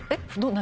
何？